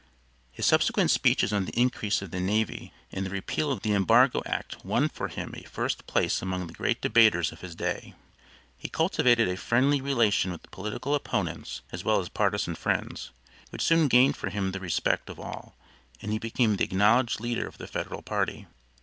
His subsequent speeches on the increase of the navy and the repeal of the embargo act won for him a first place among the great debaters of his day. He cultivated a friendly relation with political opponents as well as partisan friends, which soon gained for him the respect of all and he became the acknowledged leader of the Federal party.